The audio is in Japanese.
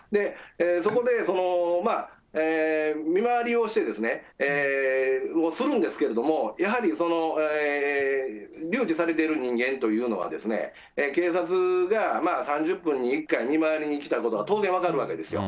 そこで見回りをするんですけれども、やはりその留置されている人間というのは、警察が３０分に１回見回りに来たことは、当然分かるわけですよ。